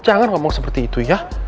jangan ngomong seperti itu ya